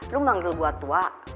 lu manggil gua tua